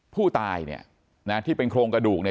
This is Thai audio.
ผู้ตายเนี้ยนะที่เป็นโครงกระดูกเนี้ย